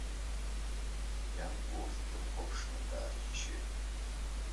Ианкәа урҭ дрыхәаԥшны дааччеит.